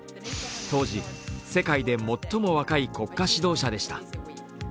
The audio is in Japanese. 当時、世界で最も若い国家主導者でした。